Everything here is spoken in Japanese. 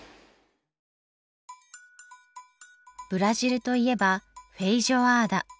ブラジルといえばフェイジョアーダ。